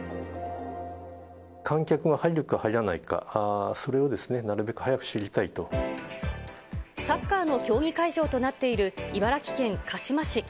観客が入るか入らないか、サッカーの競技会場となっている茨城県鹿嶋市。